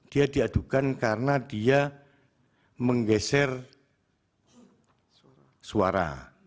dia diadukan karena dia menggeser suara